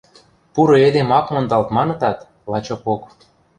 Пуры эдем ак мондалт манытат, лачокок.